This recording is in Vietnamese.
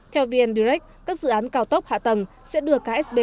theo vn direct các dự án cao tốc hạ tầng sẽ đưa các sba